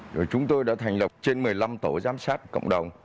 rồi chúng tôi đã thành lập trên một mươi năm tổ giám sát cộng đồng